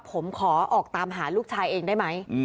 ผมขอออกตามหาลูกชายเองได้ไหม